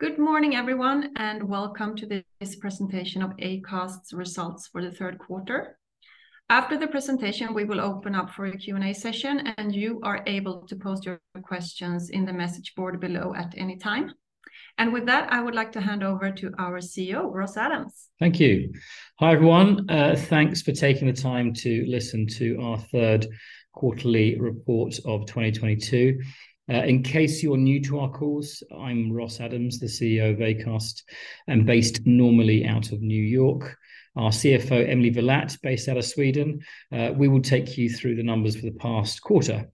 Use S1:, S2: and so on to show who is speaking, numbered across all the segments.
S1: Good morning, everyone, and welcome to this presentation of Acast's results for the third quarter. After the presentation, we will open up for a Q&A session, and you are able to post your questions in the message board below at any time. With that, I would like to hand over to our CEO, Ross Adams.
S2: Thank you. Hi, everyone. Thanks for taking the time to listen to our third quarterly report of 2022. In case you're new to our calls, I'm Ross Adams, the CEO of Acast, and based normally out of New York. Our CFO, Emily Villatt, based out of Sweden. We will take you through the numbers for the past quarter.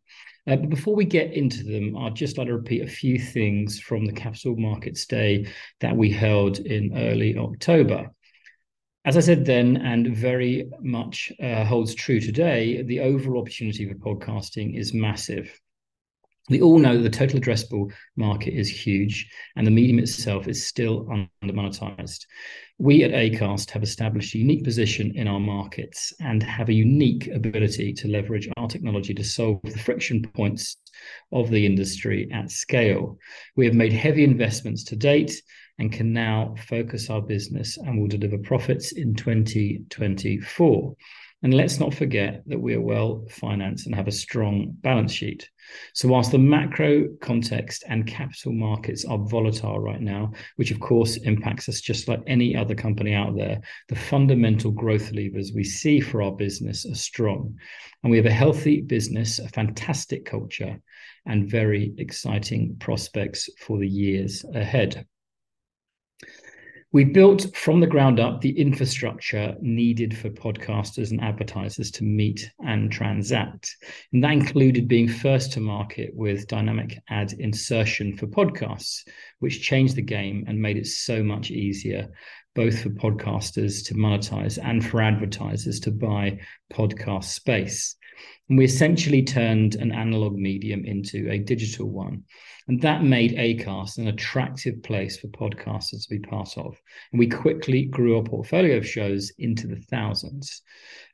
S2: Before we get into them, I'd just like to repeat a few things from the Capital Markets Day that we held in early October. As I said then, and very much holds true today, the overall opportunity for podcasting is massive. We all know the total addressable market is huge, and the medium itself is still under-monetized. We at Acast have established a unique position in our markets and have a unique ability to leverage our technology to solve the friction points of the industry at scale. We have made heavy investments to date and can now focus our business, and we'll deliver profits in 2024. Let's not forget that we are well-financed and have a strong balance sheet. While the macro context and capital markets are volatile right now, which of course impacts us just like any other company out there, the fundamental growth levers we see for our business are strong. We have a healthy business, a fantastic culture, and very exciting prospects for the years ahead. We built from the ground up the infrastructure needed for podcasters and advertisers to meet and transact, and that included being first to market with dynamic ad insertion for podcasts, which changed the game and made it so much easier both for podcasters to monetize and for advertisers to buy podcast space. We essentially turned an analog medium into a digital one, and that made Acast an attractive place for podcasters to be part of. We quickly grew our portfolio of shows into the thousands.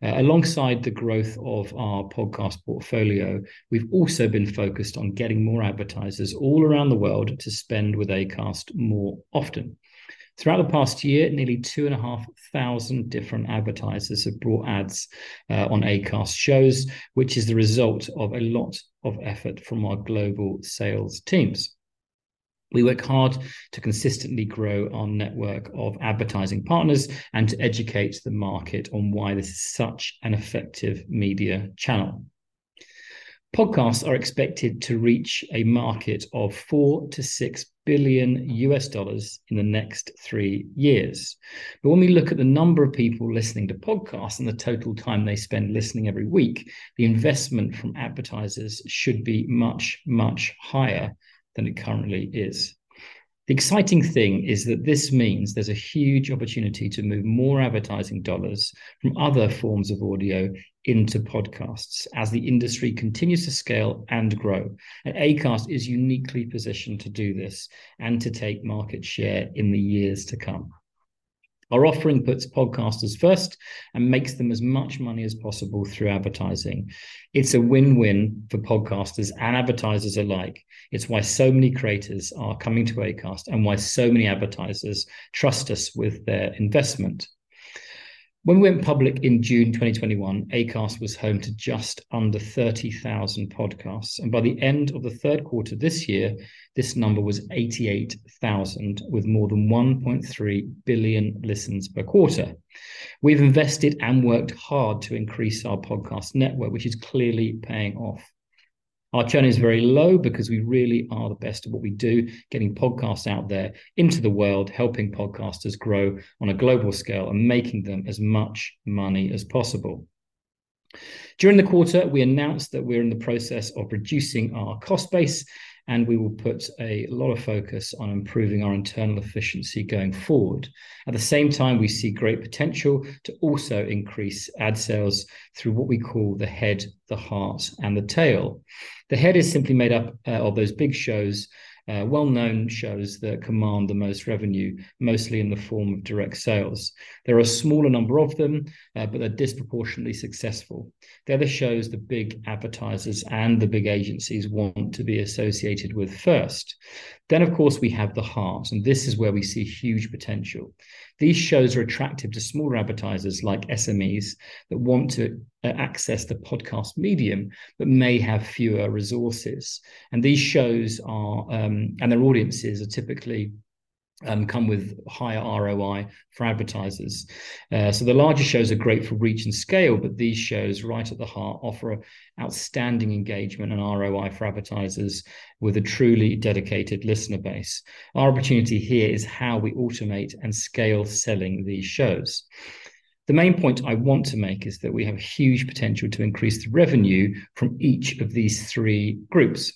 S2: Alongside the growth of our podcast portfolio, we've also been focused on getting more advertisers all around the world to spend with Acast more often. Throughout the past year, nearly 2,500 different advertisers have brought ads on Acast shows, which is the result of a lot of effort from our global sales teams. We work hard to consistently grow our network of advertising partners and to educate the market on why this is such an effective media channel. Podcasts are expected to reach a market of $4-$6 billion in the next three years. When we look at the number of people listening to podcasts and the total time they spend listening every week, the investment from advertisers should be much, much higher than it currently is. The exciting thing is that this means there's a huge opportunity to move more advertising dollars from other forms of audio into podcasts as the industry continues to scale and grow. Acast is uniquely positioned to do this and to take market share in the years to come. Our offering puts podcasters first and makes them as much money as possible through advertising. It's a win-win for podcasters and advertisers alike. It's why so many creators are coming to Acast and why so many advertisers trust us with their investment. When we went public in June 2021, Acast was home to just under 30,000 podcasts, and by the end of the third quarter this year, this number was 88,000 with more than 1.3 billion listens per quarter. We've invested and worked hard to increase our podcast network, which is clearly paying off. Our churn is very low because we really are the best at what we do, getting podcasts out there into the world, helping podcasters grow on a global scale and making them as much money as possible. During the quarter, we announced that we're in the process of reducing our cost base, and we will put a lot of focus on improving our internal efficiency going forward. At the same time, we see great potential to also increase ad sales through what we call the head, the heart, and the tail. The head is simply made up of those big shows, well-known shows that command the most revenue, mostly in the form of direct sales. There are a smaller number of them, but they're disproportionately successful. They're the shows the big advertisers and the big agencies want to be associated with first. Of course, we have the heart, and this is where we see huge potential. These shows are attractive to smaller advertisers like SMEs that want to access the podcast medium but may have fewer resources. These shows are, and their audiences are typically come with higher ROI for advertisers. The larger shows are great for reach and scale, but these shows right at the heart offer outstanding engagement and ROI for advertisers with a truly dedicated listener base. Our opportunity here is how we automate and scale selling these shows. The main point I want to make is that we have huge potential to increase the revenue from each of these three groups.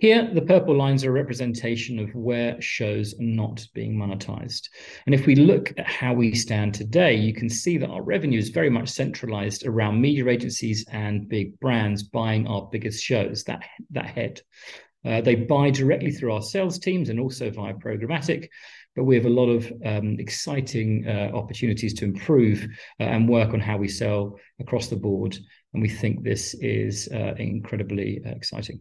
S2: Here, the purple lines are a representation of where shows are not being monetized. If we look at how we stand today, you can see that our revenue is very much centralized around media agencies and big brands buying our biggest shows, that head. They buy directly through our sales teams and also via programmatic, but we have a lot of exciting opportunities to improve and work on how we sell across the board, and we think this is incredibly exciting.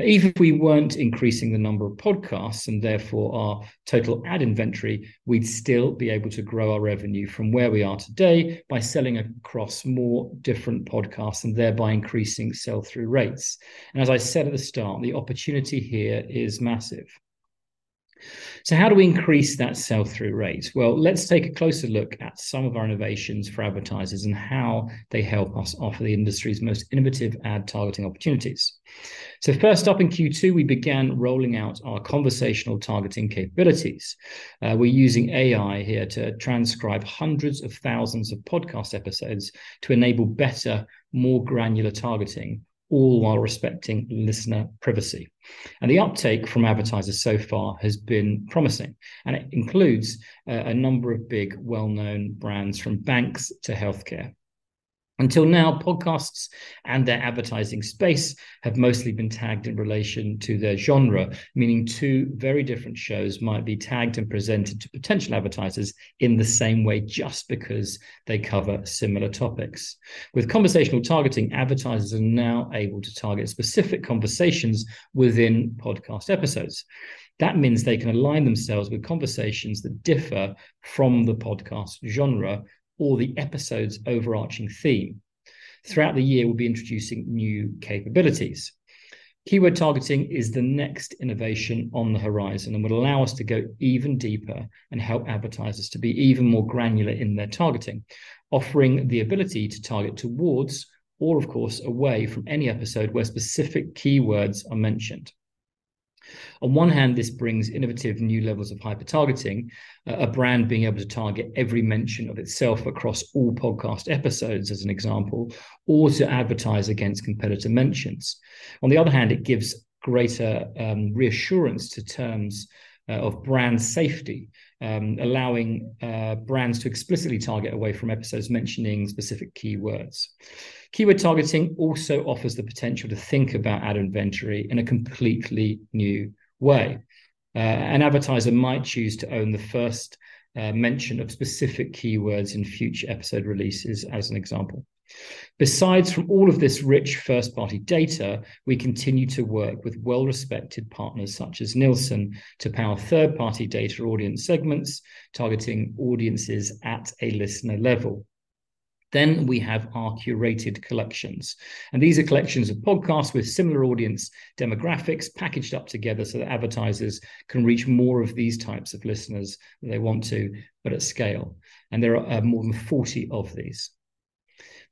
S2: Even if we weren't increasing the number of podcasts and therefore our total ad inventory, we'd still be able to grow our revenue from where we are today by selling across more different podcasts and thereby increasing sell-through rates. As I said at the start, the opportunity here is massive. How do we increase that sell-through rate? Well, let's take a closer look at some of our innovations for advertisers and how they help us offer the industry's most innovative ad targeting opportunities. First up, in Q2, we began rolling out our Conversational Targeting capabilities. We're using AI here to transcribe hundreds of thousands of podcast episodes to enable better, more granular targeting, all while respecting listener privacy, and the uptake from advertisers so far has been promising, and it includes a number of big well-known brands from banks to healthcare. Until now, podcasts and their advertising space have mostly been tagged in relation to their genre, meaning two very different shows might be tagged and presented to potential advertisers in the same way just because they cover similar topics. With Conversational Targeting, advertisers are now able to target specific conversations within podcast episodes. That means they can align themselves with conversations that differ from the podcast genre or the episode's overarching theme. Throughout the year, we'll be introducing new capabilities. Keyword Targeting is the next innovation on the horizon and will allow us to go even deeper and help advertisers to be even more granular in their targeting, offering the ability to target towards or, of course, away from any episode where specific keywords are mentioned. On one hand, this brings innovative new levels of hyper-targeting, a brand being able to target every mention of itself across all podcast episodes as an example, or to advertise against competitor mentions. On the other hand, it gives greater reassurance to brands of brand safety, allowing brands to explicitly target away from episodes mentioning specific keywords. Keyword Targeting also offers the potential to think about ad inventory in a completely new way. An advertiser might choose to own the first mention of specific keywords in future episode releases as an example. Aside from all of this rich first-party data, we continue to work with well-respected partners such as Nielsen to power third-party data audience segments, targeting audiences at a listener level. We have our curated collections, and these are collections of podcasts with similar audience demographics packaged up together so that advertisers can reach more of these types of listeners when they want to, but at scale, and there are more than 40 of these.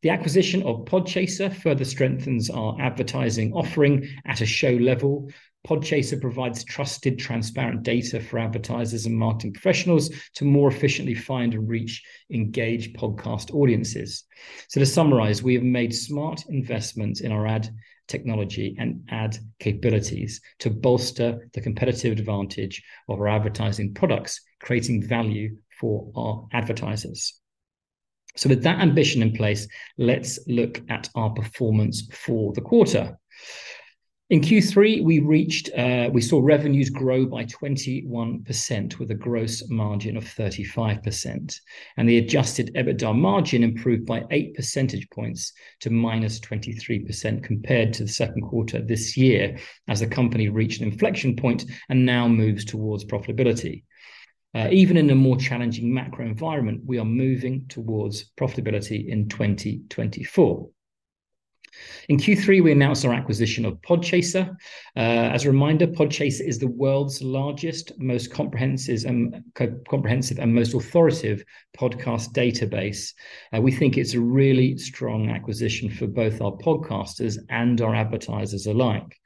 S2: The acquisition of Podchaser further strengthens our advertising offering at a show level. Podchaser provides trusted, transparent data for advertisers and marketing professionals to more efficiently find and reach engaged podcast audiences. To summarize, we have made smart investments in our ad technology and ad capabilities to bolster the competitive advantage of our advertising products, creating value for our advertisers. With that ambition in place, let's look at our performance for the quarter. In Q3, we saw revenues grow by 21%, with a gross margin of 35%, and the adjusted EBITDA margin improved by eight percentage points to -23% compared to the second quarter of this year as the company reached an inflection point and now moves towards profitability. Even in a more challenging macro environment, we are moving towards profitability in 2024. In Q3, we announced our acquisition of Podchaser. As a reminder, Podchaser is the world's largest, most comprehensive and most authoritative podcast database. We think it's a really strong acquisition for both our podcasters and our advertisers alike.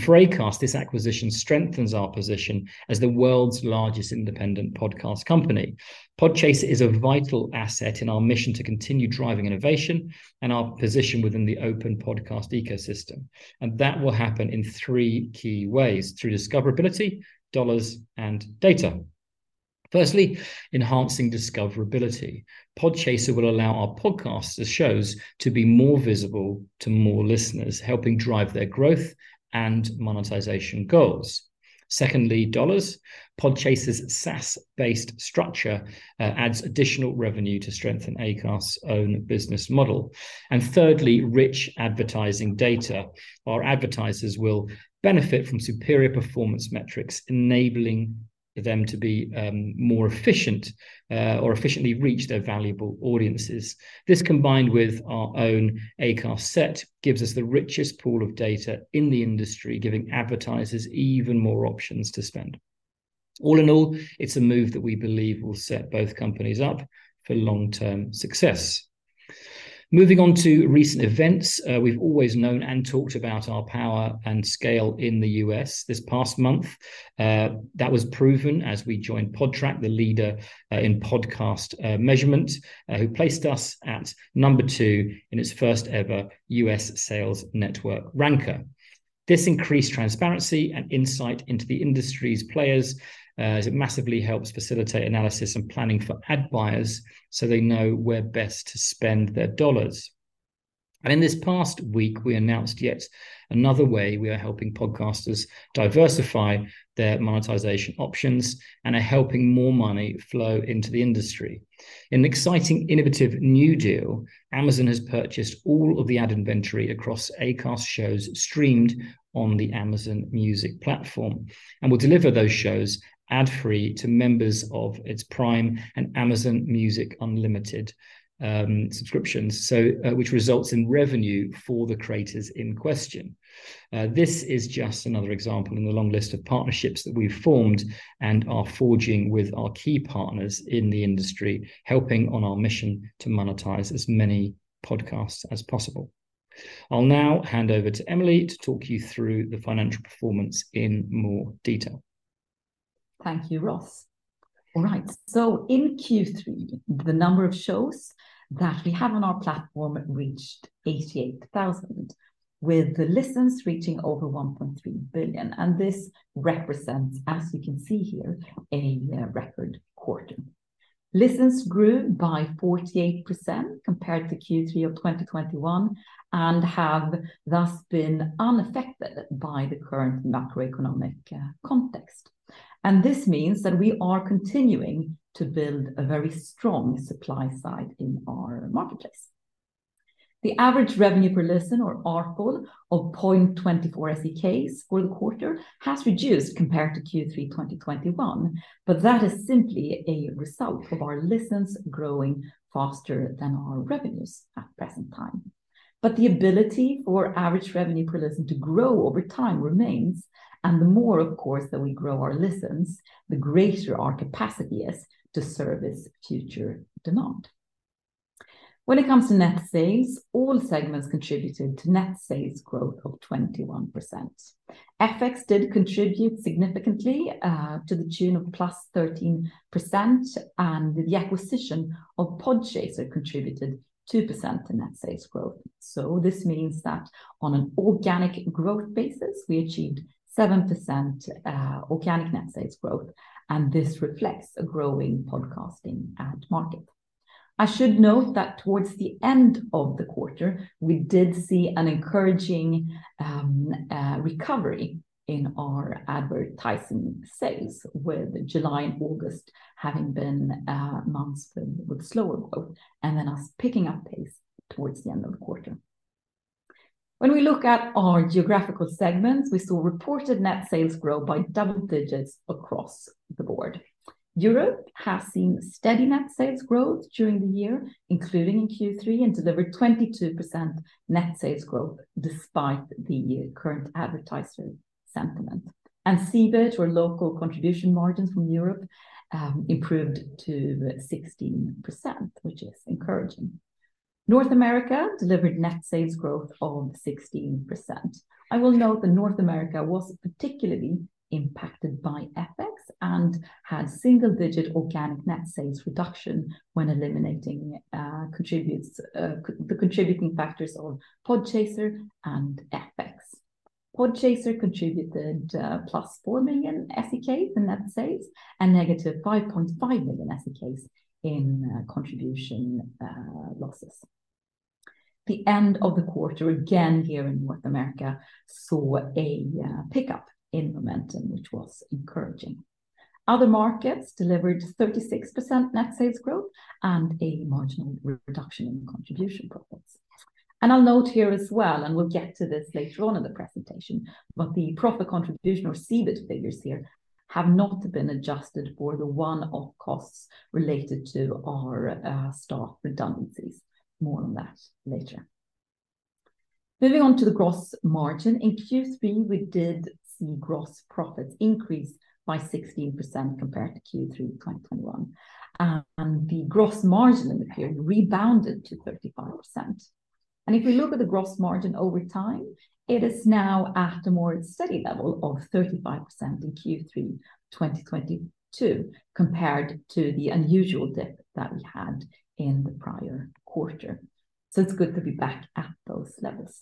S2: For Acast, this acquisition strengthens our position as the world's largest independent podcast company. Podchaser is a vital asset in our mission to continue driving innovation and our position within the open podcast ecosystem, and that will happen in three key ways, through discoverability, dollars, and data. Firstly, enhancing discoverability. Podchaser will allow our podcasters' shows to be more visible to more listeners, helping drive their growth and monetization goals. Secondly, dollars. Podchaser's SaaS-based structure adds additional revenue to strengthen Acast's own business model. Thirdly, rich advertising data. Our advertisers will benefit from superior performance metrics, enabling them to be more efficient or efficiently reach their valuable audiences. This, combined with our own Acast Insights, gives us the richest pool of data in the industry, giving advertisers even more options to spend. All in all, it's a move that we believe will set both companies up for long-term success. Moving on to recent events. We've always known and talked about our power and scale in the U.S. This past month, that was proven as we joined Podtrac, the leader, in podcast measurement, who placed us at number two in its first ever U.S. sales network ranker. This increased transparency and insight into the industry's players, as it massively helps facilitate analysis and planning for ad buyers so they know where best to spend their dollars. In this past week, we announced yet another way we are helping podcasters diversify their monetization options and are helping more money flow into the industry. In an exciting, innovative new deal, Amazon has purchased all of the ad inventory across Acast shows streamed on the Amazon Music platform and will deliver those shows ad-free to members of its Prime and Amazon Music Unlimited subscriptions, which results in revenue for the creators in question. This is just another example in the long list of partnerships that we've formed and are forging with our key partners in the industry, helping on our mission to monetize as many podcasts as possible. I'll now hand over to Emily to talk you through the financial performance in more detail.
S3: Thank you, Ross. All right. In Q3, the number of shows that we have on our platform reached 88,000, with the listens reaching over 1.3 billion, and this represents, as you can see here, a record quarter. Listens grew by 48% compared to Q3 of 2021 and have thus been unaffected by the current macroeconomic context. This means that we are continuing to build a very strong supply side in our marketplace. The average revenue per listen or ARPL of 0.24 SEK for the quarter has reduced compared to Q3 2021, but that is simply a result of our listens growing faster than our revenues at present time. The ability for average revenue per listen to grow over time remains, and the more, of course, that we grow our listens, the greater our capacity is to service future demand. When it comes to net sales, all segments contributed to net sales growth of 21%. FX did contribute significantly to the tune of +13%, and the acquisition of Podchaser contributed 2% in net sales growth. This means that on an organic growth basis, we achieved 7% organic net sales growth, and this reflects a growing podcasting ad market. I should note that towards the end of the quarter, we did see an encouraging recovery in our advertising sales with July and August having been months with slower growth and then us picking up pace towards the end of the quarter. When we look at our geographical segments, we saw reported net sales grow by double digits across the board. Europe has seen steady net sales growth during the year, including in Q3, and delivered 22% net sales growth despite the current advertising sentiment. EBIT or local contribution margins from Europe improved to 16%, which is encouraging. North America delivered net sales growth of 16%. I will note that North America was particularly impacted by FX and had single-digit organic net sales reduction when eliminating the contributing factors of Podchaser and FX. Podchaser contributed +4 million SEK in net sales and -5.5 million SEK in contribution losses. The end of the quarter, again here in North America, saw a pickup in momentum, which was encouraging. Other markets delivered 36% net sales growth and a marginal reduction in contribution profits. I'll note here as well, and we'll get to this later on in the presentation, but the profit contribution or EBIT figures here have not been adjusted for the one-off costs related to our staff redundancies. More on that later. Moving on to the gross margin. In Q3, we did see gross profits increase by 16% compared to Q3 2021. The gross margin in the period rebounded to 35%. If we look at the gross margin over time, it is now at a more steady level of 35% in Q3 2022 compared to the unusual dip that we had in the prior quarter. It's good to be back at those levels.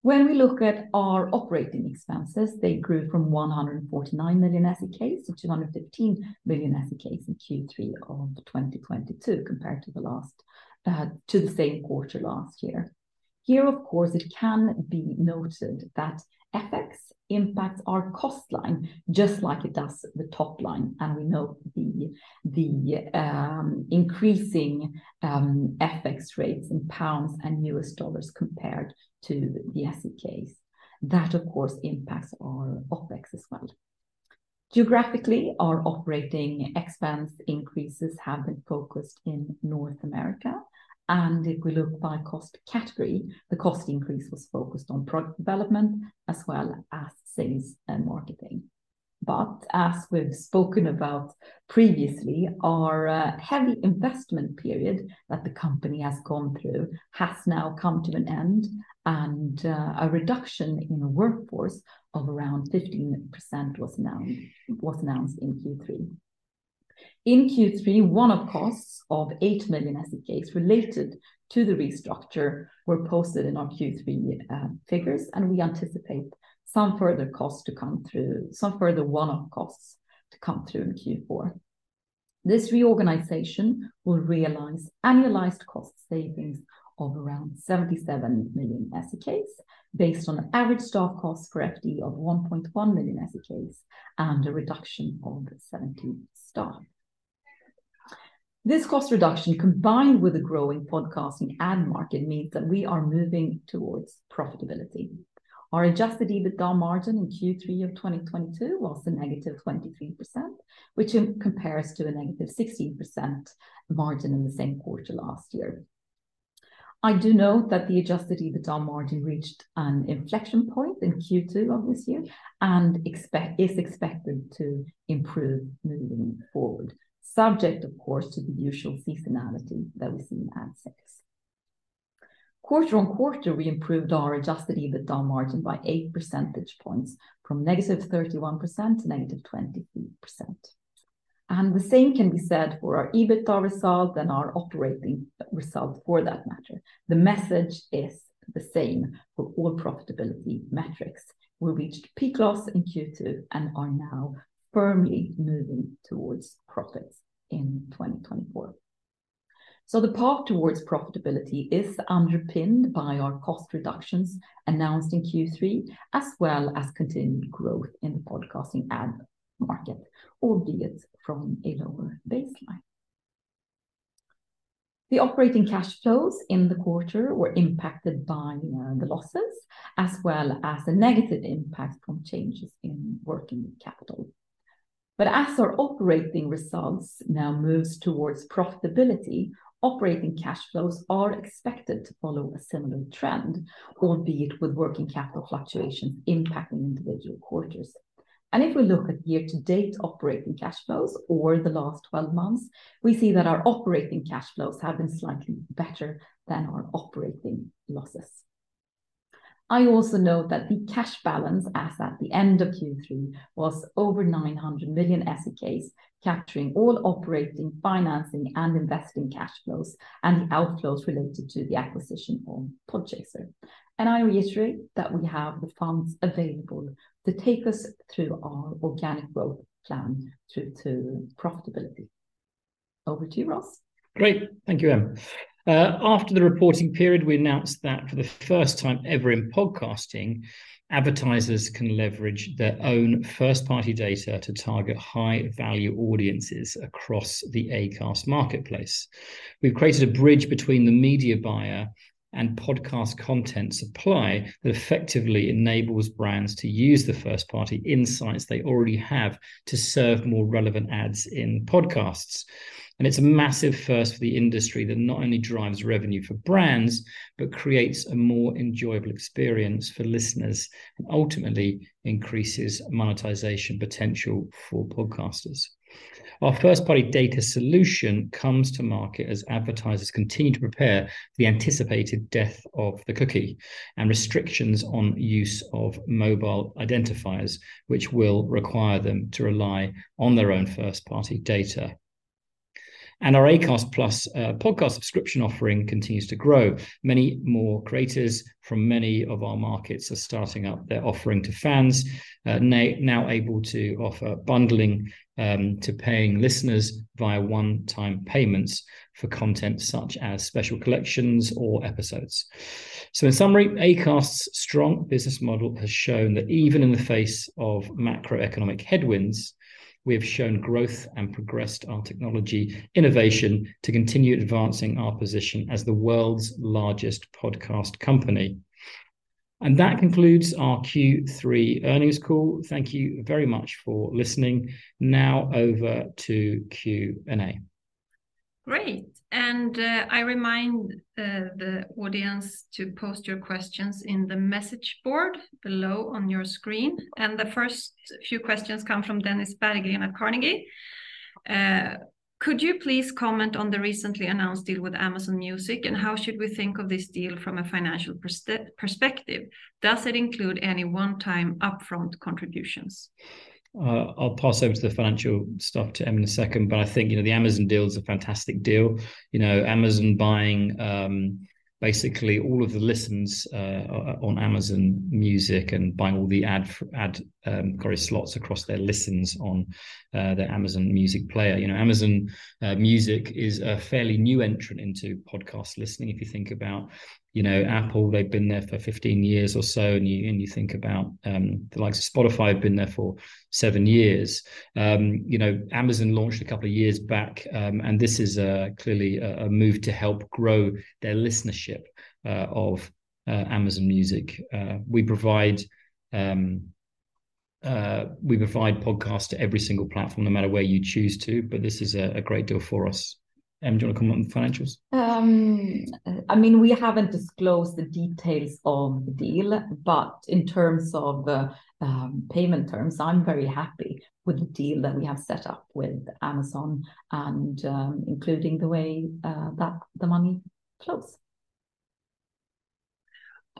S3: When we look at our operating expenses, they grew from 149 million SEK to 215 million SEK in Q3 of 2022 compared to the same quarter last year. Here, of course, it can be noted that FX impacts our cost line just like it does the top line, and we note the increasing FX rates in pounds and US dollars compared to the SEK. That, of course, impacts our OpEx as well. Geographically, our operating expense increases have been focused in North America, and if we look by cost category, the cost increase was focused on product development as well as sales and marketing. As we've spoken about previously, our heavy investment period that the company has gone through has now come to an end and a reduction in the workforce of around 15% was announced in Q3. In Q3, one-off costs of 8 million SEK related to the restructure were posted in our Q3 figures, and we anticipate some further one-off costs to come through in Q4. This reorganization will realize annualized cost savings of around 77 million SEK based on average staff costs for FTE of 1.1 million SEK and a reduction of 70 staff. This cost reduction, combined with the growing podcasting ad market, means that we are moving towards profitability. Our adjusted EBITDA margin in Q3 of 2022 was a negative 23%, which compares to a negative 16% margin in the same quarter last year. I do know that the adjusted EBITDA margin reached an inflection point in Q2 of this year and is expected to improve moving forward, subject of course, to the usual seasonality that we see in ad sales. Quarter-on-quarter, we improved our adjusted EBITDA margin by eight percentage points from -31% to -23%. The same can be said for our EBITDA result and our operating result for that matter. The message is the same for all profitability metrics. We reached peak loss in Q2 and are now firmly moving towards profits in 2024. The path towards profitability is underpinned by our cost reductions announced in Q3, as well as continued growth in the podcasting ad market, albeit from a lower baseline. The operating cash flows in the quarter were impacted by the losses, as well as a negative impact from changes in working capital. As our operating results now moves towards profitability, operating cash flows are expected to follow a similar trend, albeit with working capital fluctuations impacting individual quarters. If we look at year-to-date operating cash flows or the last twelve months, we see that our operating cash flows have been slightly better than our operating losses. I also know that the cash balance as at the end of Q3 was over 900 million SEK, capturing all operating, financing and investing cash flows and the outflows related to the acquisition of Podchaser. I reiterate that we have the funds available to take us through our organic growth plan through to profitability. Over to you, Ross.
S2: Great. Thank you, Em. After the reporting period, we announced that for the first time ever in podcasting, advertisers can leverage their own first-party data to target high-value audiences across the Acast marketplace. We've created a bridge between the media buyer and podcast content supply that effectively enables brands to use the first-party insights they already have to serve more relevant ads in podcasts. It's a massive first for the industry that not only drives revenue for brands, but creates a more enjoyable experience for listeners and ultimately increases monetization potential for podcasters. Our first-party data solution comes to market as advertisers continue to prepare for the anticipated death of the cookie and restrictions on use of mobile identifiers, which will require them to rely on their own first-party data. Our Acast+ podcast subscription offering continues to grow. Many more creators from many of our markets are starting up their offering to fans, now able to offer bundling, to paying listeners via one-time payments for content such as special collections or episodes. In summary, Acast's strong business model has shown that even in the face of macroeconomic headwinds, we have shown growth and progressed our technology innovation to continue advancing our position as the world's largest podcast company. That concludes our Q3 earnings call. Thank you very much for listening. Now over to Q&A.
S1: Great. I remind the audience to post your questions in the message board below on your screen. The first few questions come from Dennis Bergby at Carnegie. Could you please comment on the recently announced deal with Amazon Music, and how should we think of this deal from a financial perspective? Does it include any one-time upfront contributions?
S2: I'll pass over to the financial stuff to Em in a second, but I think, you know, the Amazon deal is a fantastic deal. You know, Amazon buying basically all of the listens on Amazon Music and buying all the ad sorry slots across their listens on their Amazon Music player. You know, Amazon Music is a fairly new entrant into podcast listening. If you think about, you know, Apple, they've been there for 15 years or so, and you think about the likes of Spotify have been there for 7 years. You know, Amazon launched a couple of years back, and this is clearly a move to help grow their listenership of Amazon Music. We provide podcasts to every single platform, no matter where you choose to, but this is a great deal for us. Em, do you wanna comment on the financials?
S3: I mean, we haven't disclosed the details of the deal, but in terms of payment terms, I'm very happy with the deal that we have set up with Amazon and including the way that the money flows.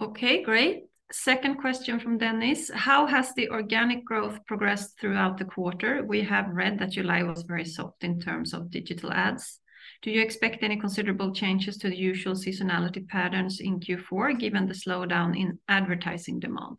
S1: Okay. Great. Second question from Dennis: How has the organic growth progressed throughout the quarter? We have read that July was very soft in terms of digital ads. Do you expect any considerable changes to the usual seasonality patterns in Q4, given the slowdown in advertising demand?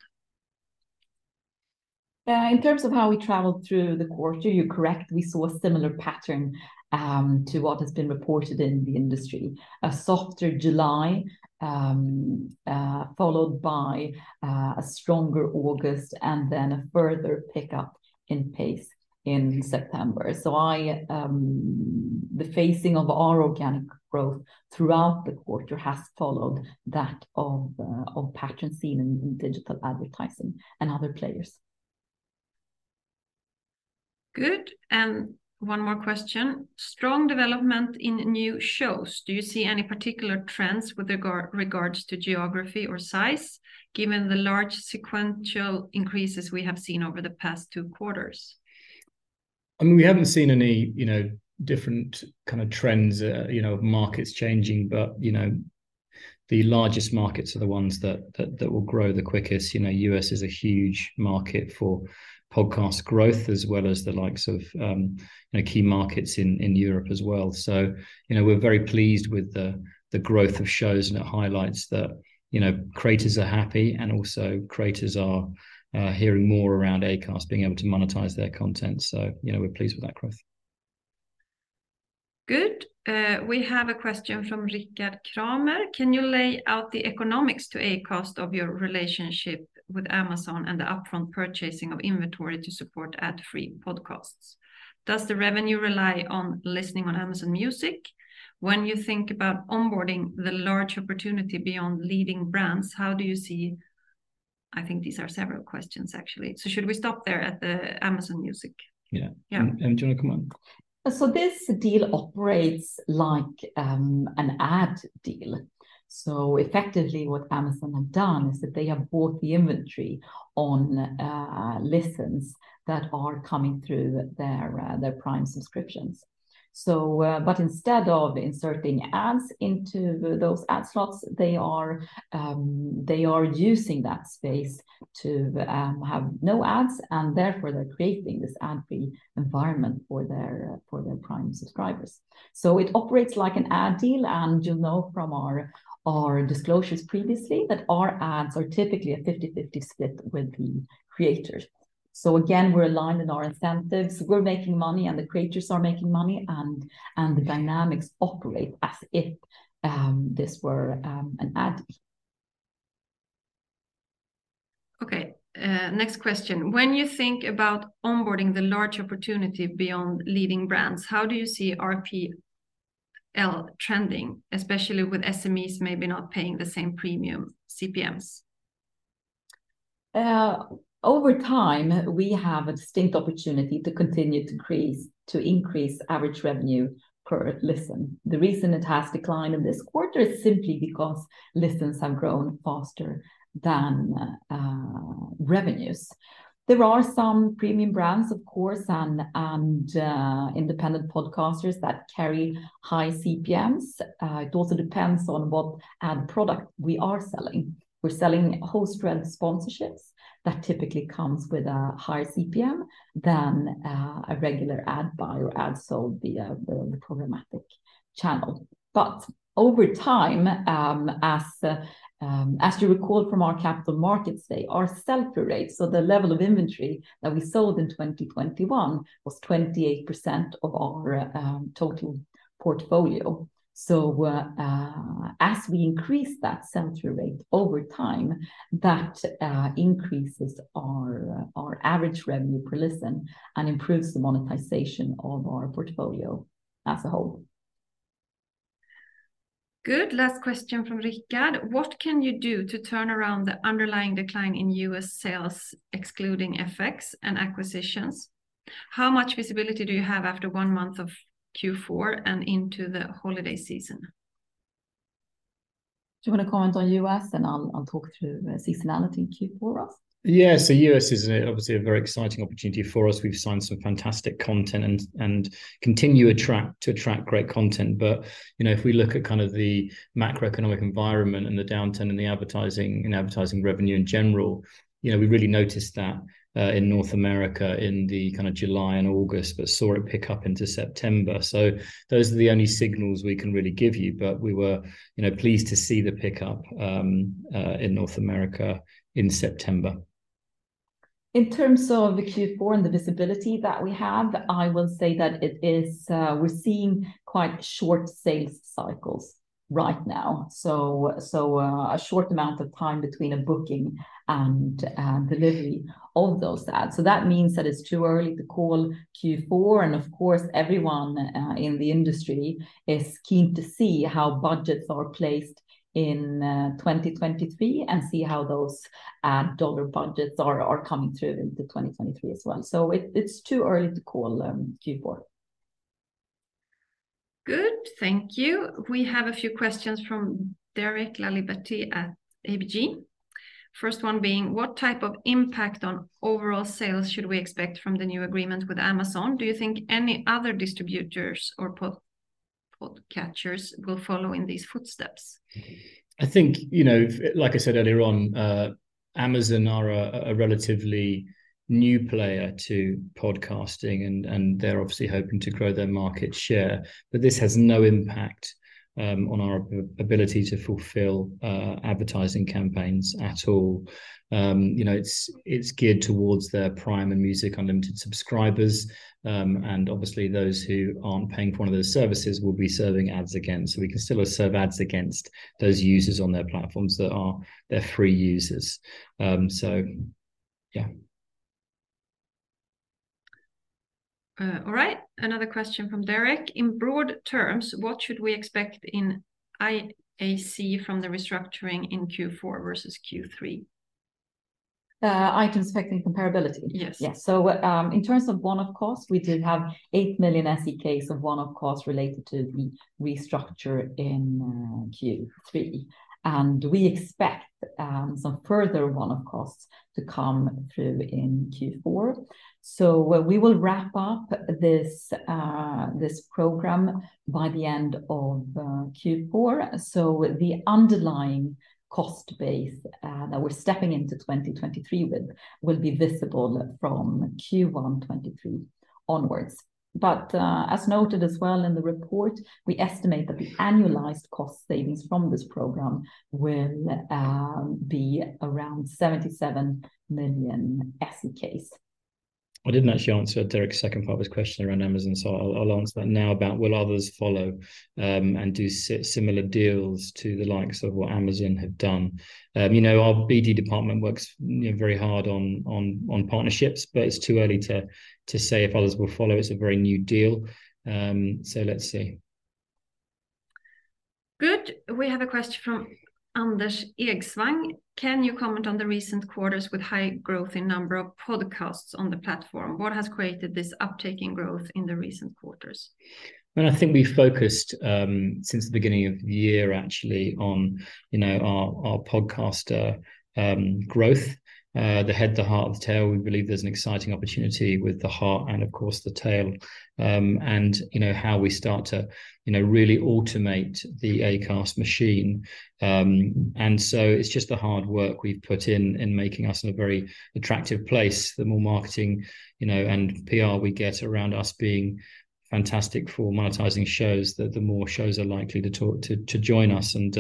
S3: In terms of how we traveled through the quarter, you're correct. We saw a similar pattern to what has been reported in the industry. A softer July followed by a stronger August and then a further pickup in pace in September. The phasing of our organic growth throughout the quarter has followed that of patterns seen in digital advertising and other players.
S1: Good. One more question, strong development in new shows. Do you see any particular trends with regards to geography or size, given the large sequential increases we have seen over the past two quarters?
S2: I mean, we haven't seen any, you know, different kinda trends, you know, markets changing. You know, the largest markets are the ones that will grow the quickest. You know, U.S. is a huge market for podcast growth as well as the likes of, you know, key markets in Europe as well. You know, we're very pleased with the growth of shows, and it highlights that, you know, creators are happy and also creators are hearing more around Acast being able to monetize their content. You know, we're pleased with that growth.
S1: Good. We have a question from Richard Kramer. Can you lay out the economics to Acast of your relationship with Amazon and the upfront purchasing of inventory to support ad free podcasts? Does the revenue rely on listening on Amazon Music? When you think about onboarding the large opportunity beyond leading brands, how do you see. I think these are several questions, actually. So should we stop there at the Amazon Music?
S2: Yeah.
S1: Yeah.
S2: Do you wanna come on?
S3: This deal operates like an ad deal. Effectively what Amazon have done is that they have bought the inventory on listens that are coming through their Prime subscriptions. Instead of inserting ads into those ad slots, they are using that space to have no ads, and therefore they're creating this ad-free environment for their Prime subscribers. It operates like an ad deal, and you'll know from our disclosures previously that our ads are typically a 50/50 split with the creators. Again, we're aligned in our incentives. We're making money, and the creators are making money, and the dynamics operate as if this were an ad.
S1: Okay, next question. When you think about onboarding the large opportunity beyond leading brands, how do you see RPL trending, especially with SMEs maybe not paying the same premium CPMs?
S3: Over time, we have a distinct opportunity to continue to increase average revenue per listen. The reason it has declined in this quarter is simply because listens have grown faster than revenues. There are some premium brands, of course, and independent podcasters that carry high CPMs. It also depends on what ad product we are selling. We're selling host-read sponsorships that typically comes with a higher CPM than a regular ad buy or ad sold via the programmatic channel. Over time, as you recall from our capital markets day our sell-through rate, so the level of inventory that we sold in 2021 was 28% of our total portfolio. As we increase that sell-through rate over time, that increases our average revenue per listen and improves the monetization of our portfolio as a whole.
S1: Good. Last question from Richard. What can you do to turn around the underlying decline in U.S. sales excluding FX and acquisitions? How much visibility do you have after one month of Q4 and into the holiday season?
S3: Do you wanna comment on U.S., and I'll talk through seasonality in Q4 for us?
S2: US is, obviously, a very exciting opportunity for us. We've signed some fantastic content and continue to attract great content. You know, if we look at kind of the macroeconomic environment and the downturn in advertising revenue in general, you know, we really noticed that in North America in the kind of July and August, but saw it pick up into September. Those are the only signals we can really give you. We were, you know, pleased to see the pickup in North America in September.
S3: In terms of the Q4 and the visibility that we have, I will say that it is. We're seeing quite short sales cycles right now, so a short amount of time between a booking and delivery of those ads. That means that it's too early to call Q4. Of course, everyone in the industry is keen to see how budgets are placed in 2023 and see how those dollar budgets are coming through into 2023 as well. It's too early to call Q4.
S1: Good. Thank you. We have a few questions from Derek Laliberty at ABG. First one being: What type of impact on overall sales should we expect from the new agreement with Amazon? Do you think any other distributors or podcatchers will follow in these footsteps?
S2: I think, you know, like I said earlier on, Amazon are a relatively new player to podcasting, and they're obviously hoping to grow their market share. This has no impact on our ability to fulfill advertising campaigns at all. You know, it's geared towards their Prime and Music Unlimited subscribers. And obviously, those who aren't paying for one of those services will be serving ads against. We can still serve ads against those users on their platforms that are their free users. Yeah.
S1: All right. Another question from Derek Laliberty. In broad terms, what should we expect in IAC from the restructuring in Q4 versus Q3?
S3: Items Affecting Comparability.
S1: Yes.
S3: Yes. In terms of one-off costs, we did have 8 million SEK of one-off costs related to the restructure in Q3, and we expect some further one-off costs to come through in Q4. We will wrap up this program by the end of Q4. The underlying cost base that we're stepping into 2023 with will be visible from Q1 2023 onwards. As noted as well in the report, we estimate that the annualized cost savings from this program will be around 77 million SEK.
S2: I didn't actually answer Derek's second part of his question around Amazon, so I'll answer that now about will others follow, and do similar deals to the likes of what Amazon have done. You know, our BD department works, you know, very hard on partnerships, but it's too early to say if others will follow. It's a very new deal. Let's see.
S1: Good. We have a question from Anders Egsvang. Can you comment on the recent quarters with high growth in number of podcasts on the platform? What has created this uptake in growth in the recent quarters?
S2: Well, I think we've focused since the beginning of the year actually on, you know, our podcast growth, the head, the heart, the tail. We believe there's an exciting opportunity with the heart and of course the tail, and you know, how we start to, you know, really automate the Acast machine. And so it's just the hard work we've put in making us a very attractive place. The more marketing, you know, and PR we get around us being fantastic for monetizing shows that the more shows are likely to talk to join us, and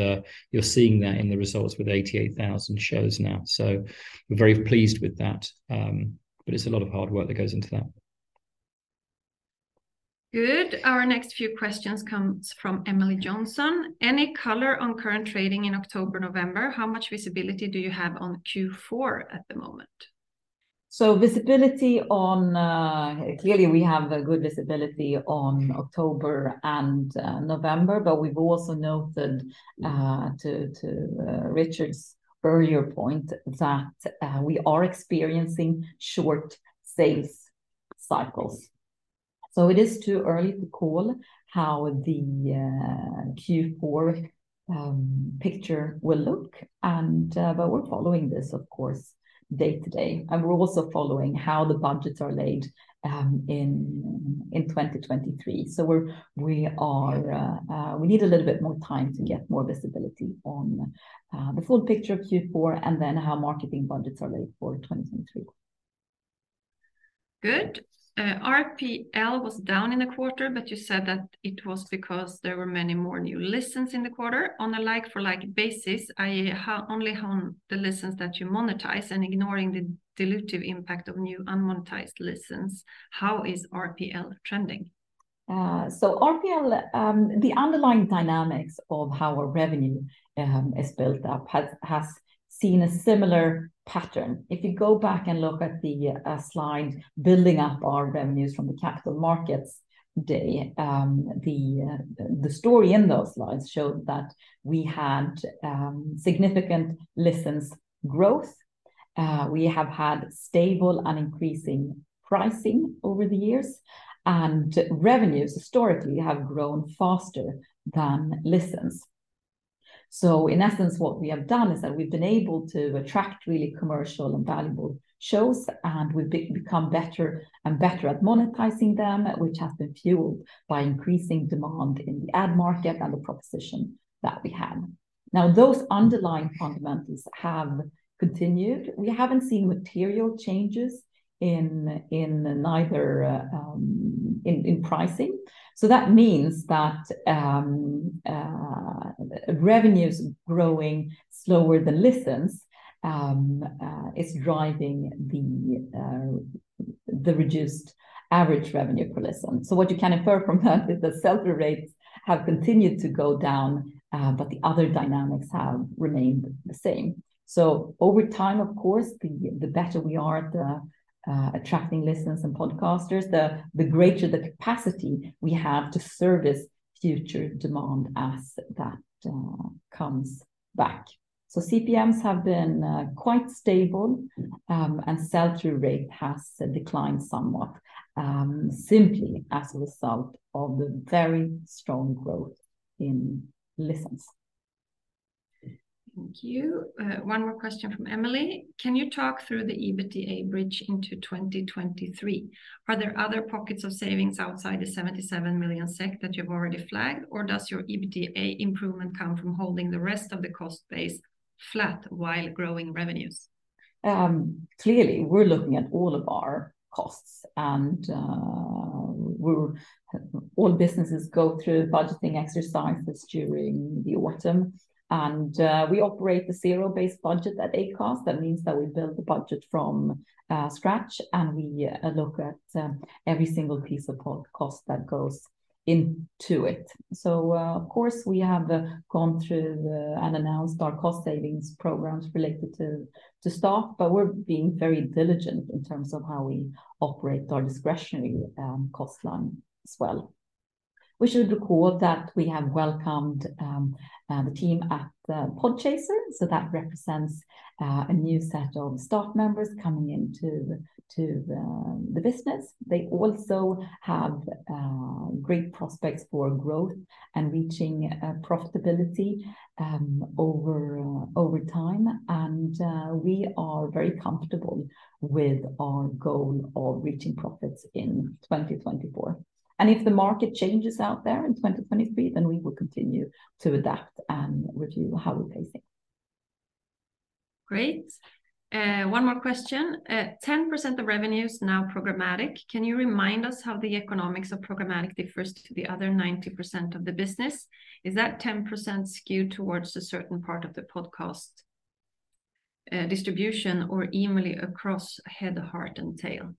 S2: you're seeing that in the results with 88,000 shows now. We're very pleased with that. But it's a lot of hard work that goes into that.
S1: Good. Our next few questions comes from Emily Johnson. Any color on current trading in October, November? How much visibility do you have on Q4 at the moment?
S3: Visibility on, clearly we have a good visibility on October and November, but we've also noted to Richard's earlier point that we are experiencing short sales cycles. It is too early to call how the Q4 picture will look but we're following this of course day-to-day. We're also following how the budgets are laid in 2023. We need a little bit more time to get more visibility on the full picture of Q4 and then how marketing budgets are laid for 2023.
S1: Good. RPL was down in the quarter, but you said that it was because there were many more new listens in the quarter. On a like for like basis, i.e. only on the listens that you monetize and ignoring the dilutive impact of new unmonetized listens, how is RPL trending?
S3: RPL, the underlying dynamics of how our revenue is built up has seen a similar pattern. If you go back and look at the slide building up our revenues from the Capital Markets Day, the story in those slides showed that we had significant listens growth. We have had stable and increasing pricing over the years, and revenues historically have grown faster than listens. In essence, what we have done is that we've been able to attract really commercial and valuable shows, and we've become better and better at monetizing them, which has been fueled by increasing demand in the ad market and the proposition that we have. Now, those underlying fundamentals have continued. We haven't seen material changes in either pricing. That means that revenues growing slower than listens is driving the reduced average revenue per listen. What you can infer from that is that sell-through rates have continued to go down, but the other dynamics have remained the same. Over time, of course, the better we are at attracting listeners and podcasters, the greater the capacity we have to service future demand as that comes back. CPMs have been quite stable, and sell-through rate has declined somewhat, simply as a result of the very strong growth in listens.
S1: Thank you. One more question from Emily. Can you talk through the EBITDA bridge into 2023? Are there other pockets of savings outside the 77 million SEK that you've already flagged, or does your EBITDA improvement come from holding the rest of the cost base flat while growing revenues?
S3: Clearly we're looking at all of our costs, and all businesses go through budgeting exercises during the autumn. We operate the zero-based budget at Acast. That means that we build the budget from scratch, and we look at every single piece of cost that goes into it. Of course, we have gone through them and announced our cost savings programs related to staff, but we're being very diligent in terms of how we operate our discretionary cost line as well. We should record that we have welcomed the team at Podchaser, so that represents a new set of staff members coming into the business. They also have great prospects for growth and reaching profitability over time. We are very comfortable with our goal of reaching profits in 2024. If the market changes out there in 2023, then we will continue to adapt and review how we're pacing.
S1: Great. One more question. 10% of revenue's now programmatic. Can you remind us how the economics of programmatic differs to the other 90% of the business? Is that 10% skewed towards a certain part of the podcast distribution or evenly across head, heart, and tail?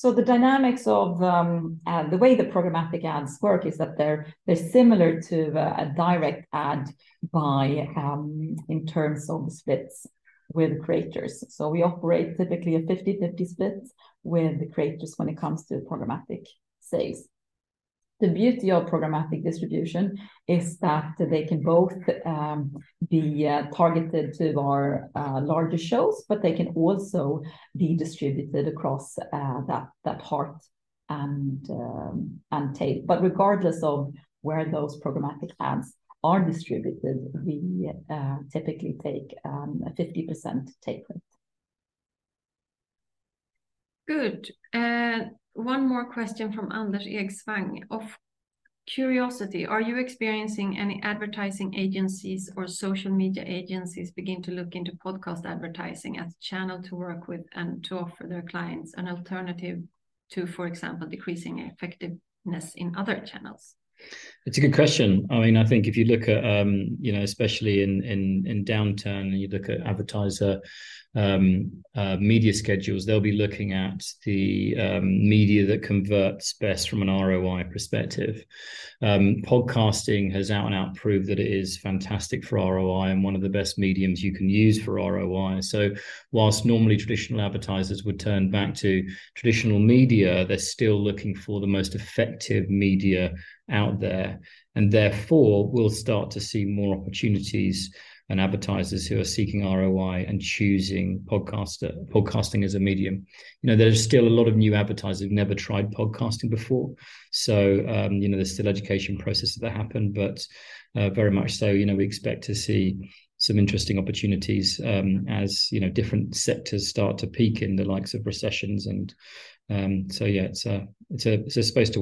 S3: The dynamics of the way the programmatic ads work is that they're similar to a direct ad buy in terms of the splits with creators. We operate typically a 50/50 split with the creators when it comes to programmatic sales. The beauty of programmatic distribution is that they can both be targeted to our larger shows, but they can also be distributed across that part and take. Regardless of where those programmatic ads are distributed, we typically take a 50% take rate.
S1: Good. One more question from Anders Ekswang. Out of curiosity, are you experiencing any advertising agencies or social media agencies beginning to look into podcast advertising as a channel to work with and to offer their clients an alternative to, for example, decreasing effectiveness in other channels?
S2: It's a good question. I mean, I think if you look at, you know, especially in downturn and you look at advertiser media schedules, they'll be looking at the media that converts best from an ROI perspective. Podcasting has out and out proved that it is fantastic for ROI, and one of the best mediums you can use for ROI. While normally traditional advertisers would turn back to traditional media, they're still looking for the most effective media out there. Therefore, we'll start to see more opportunities and advertisers who are seeking ROI and choosing podcasting as a medium. You know, there's still a lot of new advertisers who've never tried podcasting before, so, you know, there's still education processes that happen. Very much so, you know, we expect to see some interesting opportunities, as you know, different sectors start to peak in the likes of recessions. Yeah, it's a space to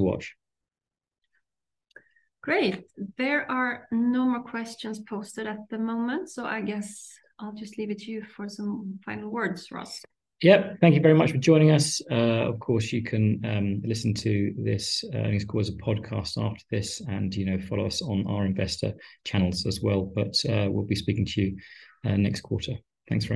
S2: watch.
S1: Great. There are no more questions posted at the moment, so I guess I'll just leave it to you for some final words, Ross.
S2: Yep. Thank you very much for joining us. Of course, you can listen to this earnings call as a podcast after this and, you know, follow us on our investor channels as well. We'll be speaking to you next quarter. Thanks very much.